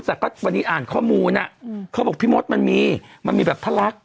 แต่วันนี้อ่านข้อมูลน่ะอืมเขาบอกพี่มศมันมีมันมีแบบพระรักษณ์